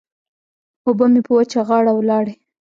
اوبه مې په وچه غاړه ولاړې.